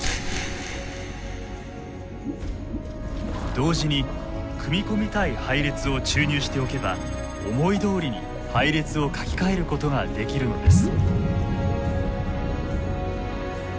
同時に組み込みたい配列を注入しておけば思いどおりに配列を書きかえることができるのです。